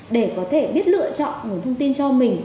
để có thể biết lựa chọn nguồn thông tin cho mình